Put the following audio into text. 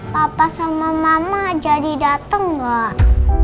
papa sama mama jadi datang nggak